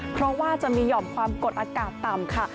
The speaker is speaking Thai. เพราะว่าจะมีหย่อมความกดอากาศต่ำค่ะ